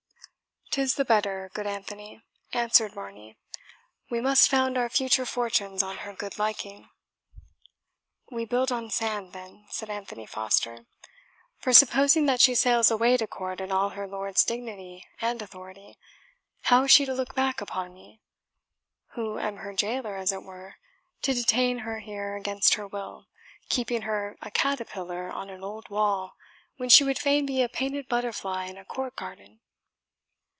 "'Tis the better, good Anthony," answered Varney; "we must found our future fortunes on her good liking." "We build on sand then," said Anthony Foster; "for supposing that she sails away to court in all her lord's dignity and authority, how is she to look back upon me, who am her jailor as it were, to detain her here against her will, keeping her a caterpillar on an old wall, when she would fain be a painted butterfly in a court garden?"